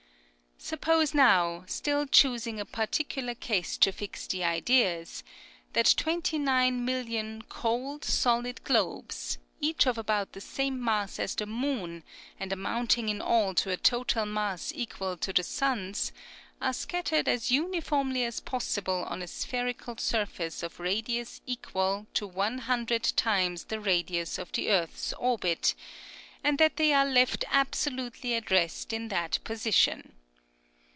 '' Suppose now, still choosing a particular case to fix the ideas, Astronomical Society of the Pacific. 109 that twenty nine million cold, solid globes, each of about the same mass as the moon, and amounting in all to a total mass equal to the sun's, are scattered as uniformly as possible on a spherical sur face of radius equal to one hundred times the radius of the earth's orbit, and that they are left absolutely at rest in that position.